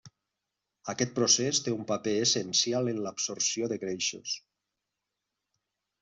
Aquest procés té un paper essencial en l’absorció de greixos.